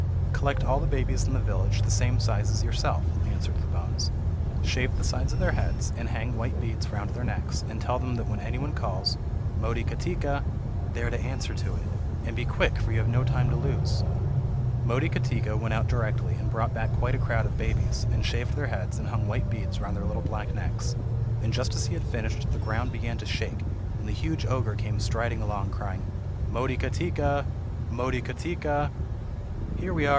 "Collect all the babies in the village the same size as yourself," answered the bones; "shave the sides of their heads, and hang white beads round their necks, and tell them that when anybody calls 'Motikatika,' they are to answer to it. And be quick for you have no time to lose." Motikatika went out directly, and brought back quite a crowd of babies, and shaved their heads and hung white beads round their little black necks, and just as he had finished, the ground began to shake, and the huge ogre came striding along, crying: "Motikatika! Motikatika!" "Here we are!